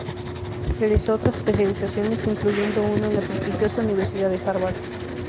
Realizó otras especializaciones, incluyendo uno en la prestigiosa Universidad de Harvard.